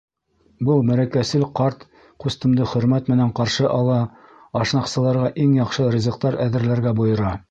Был мәрәкәсел ҡарт ҡустымды хөрмәт менән ҡаршы ала, ашнаҡсыларға иң яҡшы ризыҡтар әҙерләргә бойора.